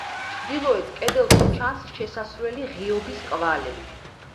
ჩრდილოეთ კედელში ჩანს შესასვლელი ღიობის კვალი.